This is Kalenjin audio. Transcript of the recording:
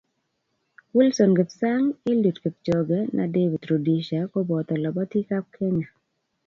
Wilson kipsang, Eliud Kipchoge na David Rudisha ko boto lobotii ab Kenya.